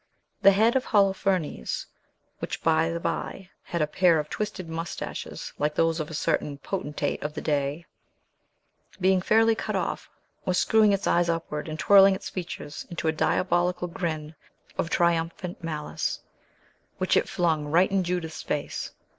The head of Holofernes (which, by the bye, had a pair of twisted mustaches, like those of a certain potentate of the day) being fairly cut off, was screwing its eyes upward and twirling its features into a diabolical grin of triumphant malice, which it flung right in Judith's face.